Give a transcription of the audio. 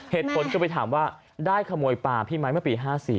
เหตุผลคือไปถามว่าได้ขโมยปลาพี่ไหมเมื่อปี๕๔